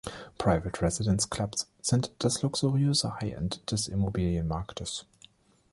Private Residence Clubs sind das luxuriöse High End des Immobilienmarktes.